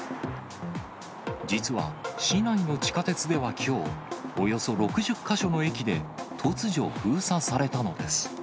実は、市内の地下鉄ではきょう、およそ６０か所の駅で、突如封鎖されたのです。